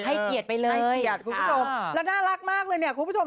ให้เกลียดไปเลยคุณผู้ชมและน่ารักมากเลยนี่คุณผู้ชม